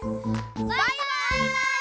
バイバイ！